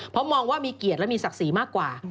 เพราะมองว่ามีเกียรติและมีศักดิ์ศรีมากกว่า